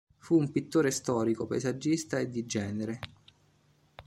Fu un pittore storico, paesaggista e di genere.